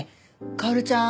薫ちゃん